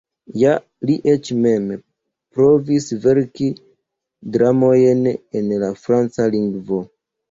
Ja, li eĉ mem provis verki dramojn en la franca lingvo.